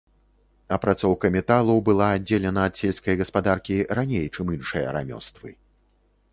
Апрацоўка металу была аддзелена ад сельскай гаспадаркі раней, чым іншыя рамёствы.